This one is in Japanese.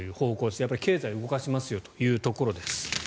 やっぱり経済を動かしますよというところです。